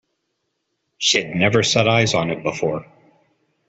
She had never set eyes on it before.